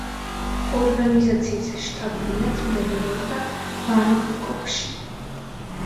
ორგანიზაციის შტაბ-ბინაც მდებარეობდა ბანგკოკში.